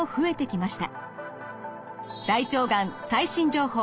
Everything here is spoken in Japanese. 「大腸がん最新情報」